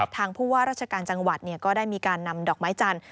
ทางผู้ว่าราชการจังหวัดก็ได้มีการนำดอกไม้จันทร์